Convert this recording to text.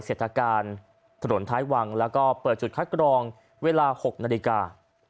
เศรษฐการถนนท้ายวังแล้วก็เปิดจุดคัดกรองเวลา๖นาฬิกา